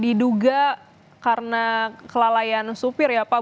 diduga karena kelalaian supir ya pak